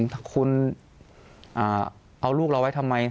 ถ้าคุณเอาลูกเราไว้ทำไม